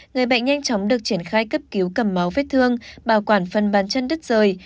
người bệnh nhanh chóng được triển khai cấp cứu cầm máu vết thương bảo quản phần bàn chân đất rời